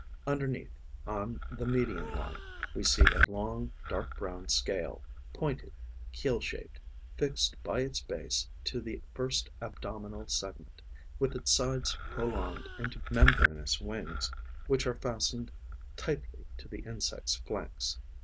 Underneath, on the median line, we see a long, dark brown scale, pointed, keel shaped, fixed by its base to the first abdominal segment, with its sides prolonged into membranous wings which are fastened tightly to the insect's flanks.